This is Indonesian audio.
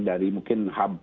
dari mungkin hub